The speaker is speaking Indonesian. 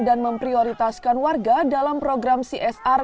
dan memprioritaskan warga dalam program csr